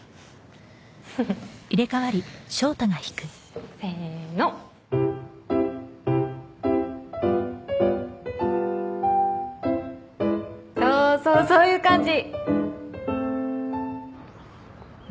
ふふっせーのそうそうそういう感じ